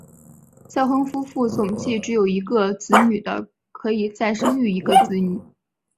再婚夫妇总计只有一个子女的可以再生育一个子女。